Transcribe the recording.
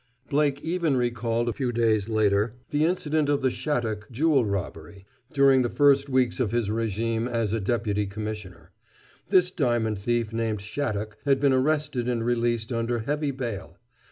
Blake even recalled, a few days later, the incident of the Shattuck jewel robbery, during the first weeks of his régime as a Deputy Commissioner. This diamond thief named Shattuck had been arrested and released under heavy bail.